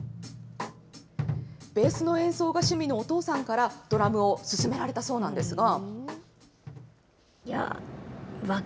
ベースの演奏が趣味のお父さんから、ドラムを勧められたそうなんですが。